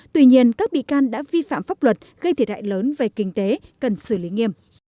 tuy nhiên các bị can đã vi phạm pháp luật gây thiệt hại lớn về kinh tế cần xử lý nghiêm